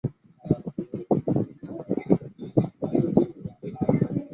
当地检察机关在爆炸发生后经过调查认为此事件系非法炸药爆炸。